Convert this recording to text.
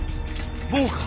もうか？